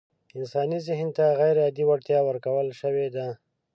انساني ذهن ته غيرعادي وړتيا ورکول شوې ده.